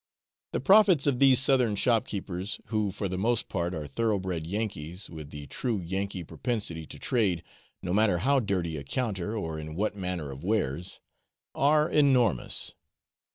The profits of these southern shopkeepers (who, for the most part, are thoroughbred Yankees, with the true Yankee propensity to trade, no matter on how dirty a counter, or in what manner of wares) are enormous.